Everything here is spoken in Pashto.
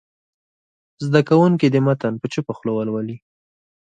زده کوونکي دې متن په چوپه خوله ولولي.